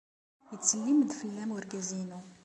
Yettsellim-d fell-am wergaz-inu.